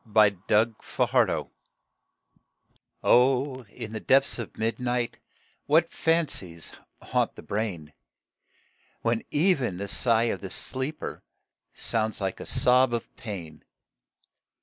IN THE DARK O In the depths of midnight What fancies haunt the brain! When even the sigh of the sleeper Sounds like a sob of pain.